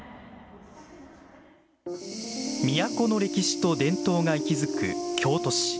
みやこの歴史と伝統が息づく京都市。